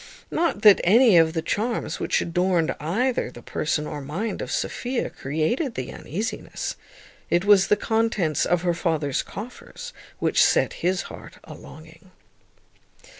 Not that any of the charms which adorned either the person or mind of Sophia created the uneasiness; it was the contents of her father's coffers which set his heart a longing.